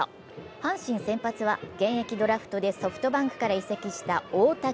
阪神先発は現役ドラフトでソフトバンクから移籍した大竹。